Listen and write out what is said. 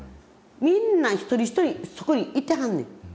みんな一人一人そこにいてはんねん。